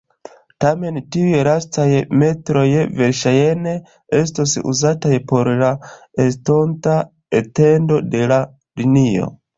Tamen tiuj lastaj metroj verŝajne estos uzataj por la estonta etendo de la linio.